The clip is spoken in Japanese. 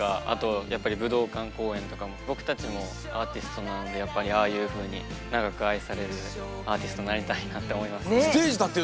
あと、やっぱり武道館公演とかも、僕たちもアーティストなので、やっぱりああいうふうに、長く愛されるアーティストになりたいなと思いました。